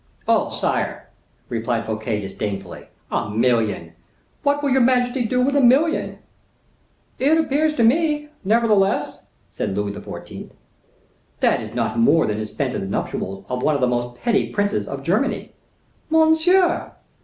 "Oh! sire," replied Fouquet disdainfully, "a million! what will your majesty do with a million?" "It appears to me, nevertheless—" said Louis XIV. "That is not more than is spent at the nuptials of one of the most petty princes of Germany." "Monsieur!"